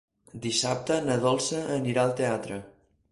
Dissabte na Dolça anirà al teatre.